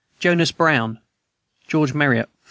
Jonas Brown, George Meriot, 5.